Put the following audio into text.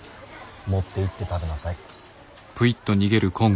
持っていって食べなさい。